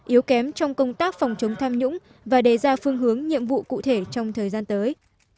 yếu kém trong công tác phòng chống tham nhũng và đề ra phương hướng nhiệm vụ cụ thể trong thời gian tới